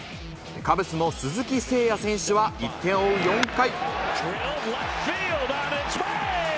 カブスの鈴木誠也選手は、１点を追う４回。